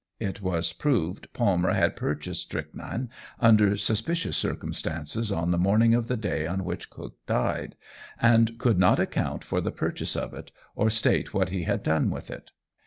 It was proved Palmer had purchased strychnine under suspicious circumstances on the morning of the day on which Cook died, and could not account for the purchase of it, or state what he had done with it.